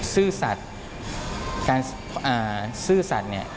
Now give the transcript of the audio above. ซื่อสัตว์การซื่อสัตว์เนี่ย